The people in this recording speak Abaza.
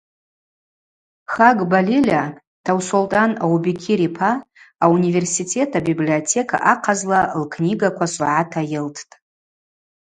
Хагба Лиля Таусолтӏан Аубекир йпа ауниверситет абиблиотека ахъазла лкнигаква согӏата йылттӏ.